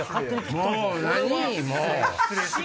もう何⁉もう！